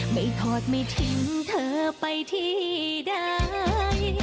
ถอดไม่ทิ้งเธอไปที่ใด